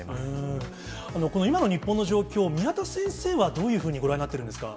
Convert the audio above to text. この今の日本の状況、宮田先生は、どういうふうにご覧になってるんですか。